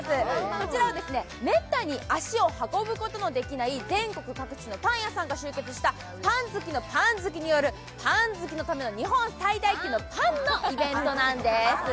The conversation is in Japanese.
こちらはめったに足を運ぶことのできない全国各地のパン屋さんが集結したパン好きのパン好きによるパン好きのための日本最大級のパンのイベントなんです。